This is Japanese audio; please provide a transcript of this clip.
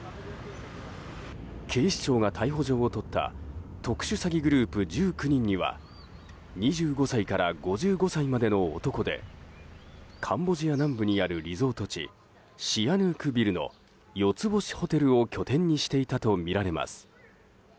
警視庁が逮捕状を取った特殊詐欺グループ１９人には２５歳から５５歳までの男でカンボジア南部にあるリゾート地シアヌークビルの４つ星ホテルを拠点にしていたとみられます。